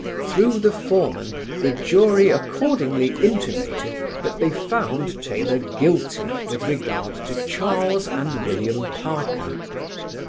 Through the foreman the jury accordingly intimated that they found Taylor guilty with regard to Charles and William Parker.